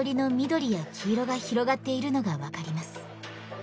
緑や黄色が広がっているのがわかります。